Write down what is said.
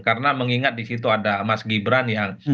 karena mengingat di situ ada mas gibran yang